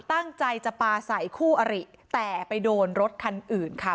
ตั้งใจจะปลาใส่คู่อริแต่ไปโดนรถคันอื่นค่ะ